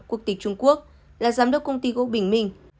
quốc tịch trung quốc là giám đốc công ty gỗ bình minh